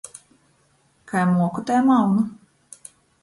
Kai moku, tai maunu!